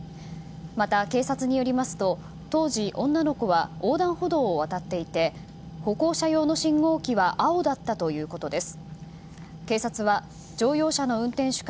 また、警察によりますと当時、女の子は横断歩道を渡っていて歩行者用の信号機は青だったということです。